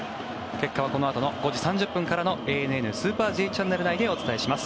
結果はこのあとの５時３０分からの「ＡＮＮスーパーＪチャンネル」内でお伝えします。